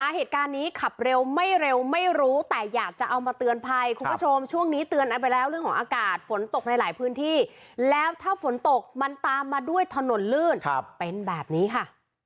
เหตุการณ์นี้ขับเร็วไม่เร็วไม่รู้แต่อยากจะเอามาเตือนภัยคุณผู้ชมช่วงนี้เตือนเอาไปแล้วเรื่องของอากาศฝนตกในหลายพื้นที่แล้วถ้าฝนตกมันตามมาด้วยถนนลื่นเป็นแบบนี้ค่ะ